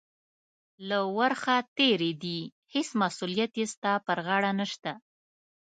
له ورخه تېرې دي، هېڅ مسؤلیت یې ستا پر غاړه نشته.